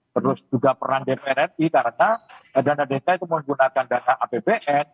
terus juga peran dpr ri karena dana desa itu menggunakan dana apbn